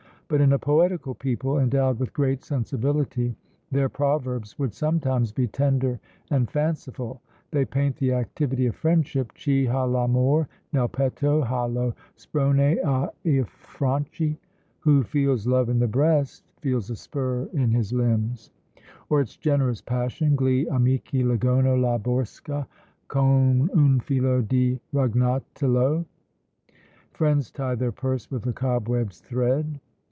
But in a poetical people, endowed with great sensibility, their proverbs would sometimes be tender and fanciful. They paint the activity of friendship, Chi ha l'amor nel petto, ha lo sprone à i fianchi: "Who feels love in the breast, feels a spur in his limbs:" or its generous passion, Gli amici legono la borsa con un filo di ragnatelo: "Friends tie their purse with a cobweb's thread."